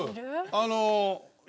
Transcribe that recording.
あの。